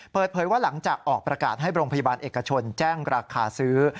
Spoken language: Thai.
เปิดเผยว่าหลังจากออกประกาศให้โรงพยาบาลเอกชนแจ้งราคาซื้อ